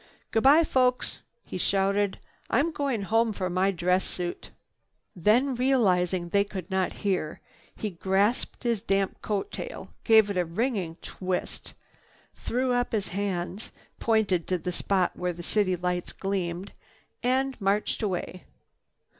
"Goodbye folks!" he shouted, "I'm going home for my dress suit." Then, realizing they could not hear, he grasped his damp coat tail, gave it a wringing twist, threw up his hands, pointed to the spot where city lights gleamed, and marched away.